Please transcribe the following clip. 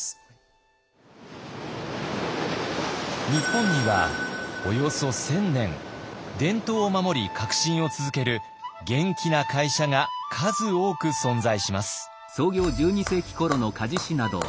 日本にはおよそ１，０００年伝統を守り革新を続ける元気な会社が数多く存在します。